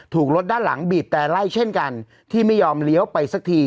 ถูกรถด้านหลังบีบแต่ไล่เช่นกันที่ไม่ยอมเลี้ยวไปสักที